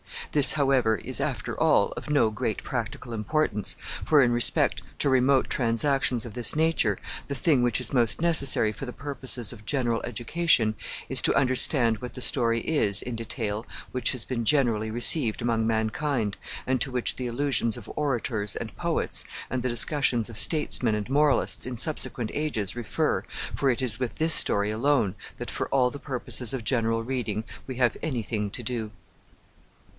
This, however, is, after all, of no great practical importance, for, in respect to remote transactions of this nature, the thing which is most necessary for the purposes of general education is to understand what the story is, in detail, which has been generally received among mankind, and to which the allusions of orators and poets, and the discussions of statesmen and moralists in subsequent ages refer, for it is with this story alone that for all the purposes of general reading we have any thing to do.